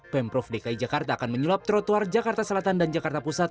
pemprov dki jakarta akan menyulap trotoar jakarta selatan dan jakarta pusat